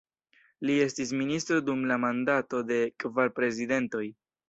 Li estis ministro dum la mandato de kvar prezidentoj.